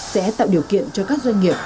sẽ tạo điều kiện cho các doanh nghiệp